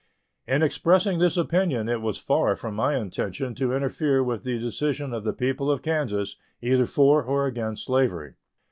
In expressing this opinion it was far from my intention to interfere with the decision of the people of Kansas, either for or against slavery.